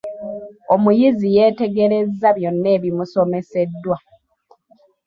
Omuyizi yeetegerezza byonna ebimusomeseddwa.